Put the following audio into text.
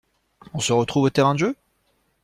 On se retrouve au terrain de jeu?